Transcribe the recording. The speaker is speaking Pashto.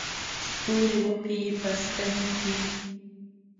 ستوري وپېي په ستن کې